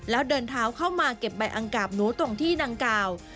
แล้วเดินเท้าเข้ามาเก็บใบอังกาบหนูตรงที่ดังกล่าว